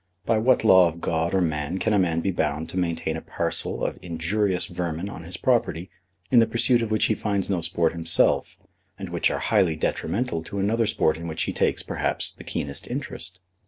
By what law of God or man can a man be bound to maintain a parcel of injurious vermin on his property, in the pursuit of which he finds no sport himself, and which are highly detrimental to another sport in which he takes, perhaps, the keenest interest?